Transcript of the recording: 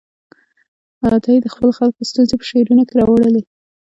عطايي د خپلو خلکو ستونزې په شعرونو کې راواړولې.